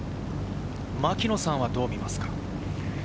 牧野さん、どう見ますか？